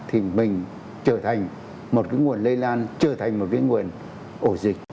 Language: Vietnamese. thì mình trở thành một cái nguồn lây lan trở thành một cái nguồn ổ dịch